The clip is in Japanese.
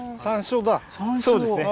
そうですね